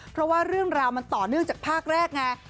เพราะว่าเรื่องราวมันต่อเนื่องจากภาคแรกไง